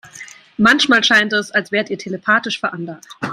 Manchmal scheint es, als wärt ihr telepathisch veranlagt.